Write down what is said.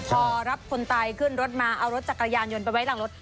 พอรับคนตายขึ้นรถมาเอารถจักรยานยนต์ไปไว้หลังรถ